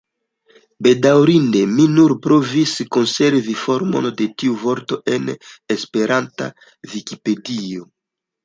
Bedaurinde mi nur provis konservi formon de tiu vorto en esperanta Vikipedio.